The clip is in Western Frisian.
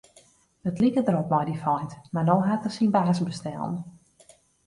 It like derop mei dy feint, mar no hat er syn baas bestellen.